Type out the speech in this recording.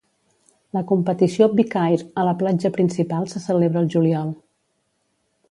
La competició "Big Air" a la platja principal se celebra al juliol.